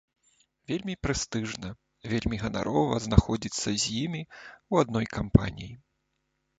Вельмі прэстыжна, вельмі ганарова знаходзіцца з імі ў адной кампаніі.